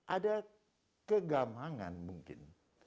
ada kegamangan mungkin